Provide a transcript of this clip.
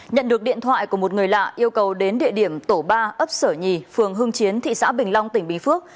nhận được điện thoại của một người lạ yêu cầu đến địa điểm tổ ba ấp sở nhì phường hưng chiến thị xã bình long tỉnh bình phước